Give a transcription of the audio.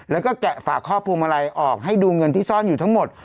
แล้วก็แกะฝากข้อพวงมาลัยออกให้ดูเงินที่ซ่อนอยู่ทั้งหมด